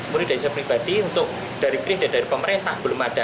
murid dari saya pribadi untuk dari kris dan dari pemerintah belum ada